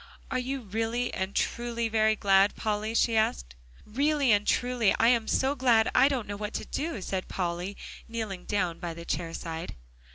"Are you really and truly very glad, Polly?" she asked. "Really and truly I am so glad I don't know what to do," said Polly, kneeling down by the chair side.